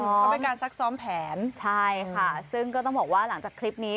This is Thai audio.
เขาเป็นการซักซ้อมแผนใช่ค่ะซึ่งก็ต้องบอกว่าหลังจากคลิปนี้